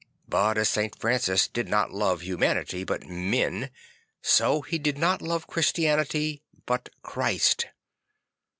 But as St. Francis did not love humanity but men, so he did not love Christianity but Christ.